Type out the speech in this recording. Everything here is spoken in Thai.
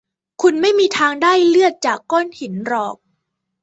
คุณไม่มีทางได้เลือดจากก้อนหินหรอก